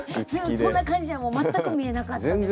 そんな感じには全く見えなかったですね。